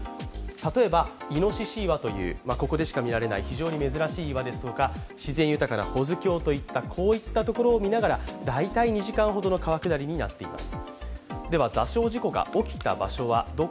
例えばイノシシ岩というここでしか見られない非常に珍しい岩とか自然豊かな保津峡といったところを見ながら大体２時間ほどの川下りになっています。